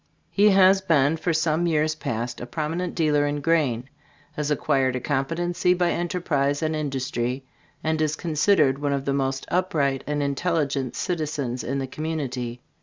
He has been for some years past a prominent dealer in grain, has acquired a competency by enterprise and industry, and is considered one of the most upright and intelligent citizens in the community.